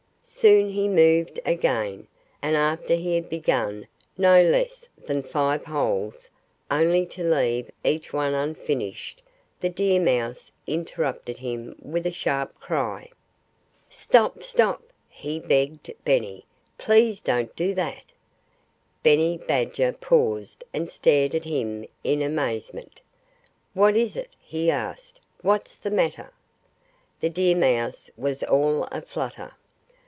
Soon he moved again. And after he had begun no less than five holes, only to leave each one unfinished, the deer mouse interrupted him with a sharp cry. "Stop! Stop!" he begged Benny. "Please don't do that!" Benny Badger paused and stared at him in amazement. "What is it?" he asked. "What's the matter?" The deer mouse was all a flutter.